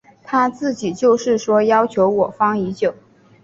他自己就是说要求我方已久。